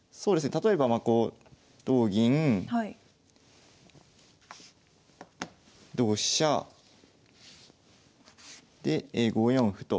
例えばこう同銀同飛車で５四歩と。